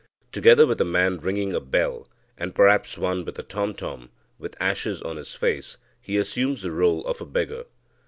Together with a man ringing a bell, and perhaps one with a tom tom, with ashes on his face, he assumes the rôle of a beggar.